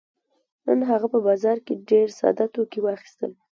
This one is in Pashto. هغه نن په بازار کې ډېر ساده توکي واخيستل.